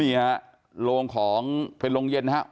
เนี้ยโรงของเป็นโรงเย็นนะฮะ